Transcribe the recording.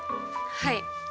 はい。